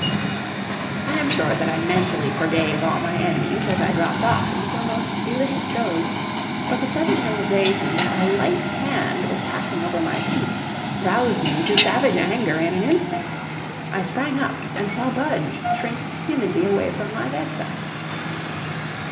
I am sure that I mentally forgave all my enemies as I dropped off into a most delicious doze, but the sudden realization that a light hand was passing over my cheek roused me to savage anger in an instant. I sprang up, and saw Budge shrink timidly away from my bedside.